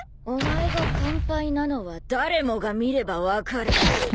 お前が完敗なのは誰もが見れば分かる。